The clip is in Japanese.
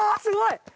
すごい！